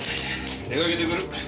出掛けてくる。